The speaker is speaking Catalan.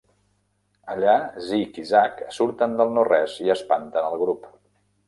Allà, Zig i Zag surten del no res i espanten el grup.